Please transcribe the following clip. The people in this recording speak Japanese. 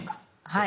はい。